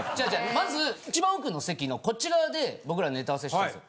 まず一番奥の席のこっち側で僕らネタ合わせしたんですよ。